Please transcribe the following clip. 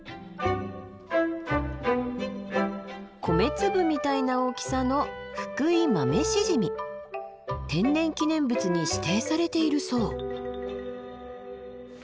米粒みたいな大きさの天然記念物に指定されているそう。